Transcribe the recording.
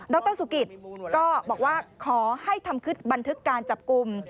รสุกิตก็บอกว่าขอให้ทำคลิปบันทึกการจับกลุ่ม